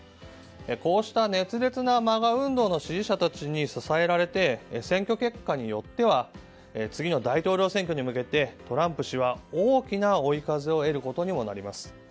こうした熱烈なＭＡＧＡ運動の支持者たちに支えられて選挙結果によっては次の大統領選挙に向けてトランプ氏は大きな追い風を得ることにもなります。